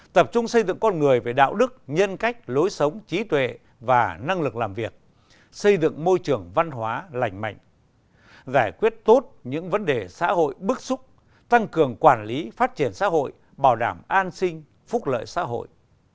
tập trung xây dựng con người về đạo đức nhân cách lối sống trí tuệ và năng lực làm việc xây dựng môi trường văn hóa lành mạnh giải quyết tốt những vấn đề xã hội bức xúc tăng cường quản lý phát triển xã hội bảo đảm an sinh phúc lợi xã hội